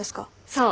そう。